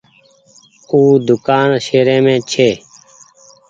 او دوڪآن شهريم ڇي۔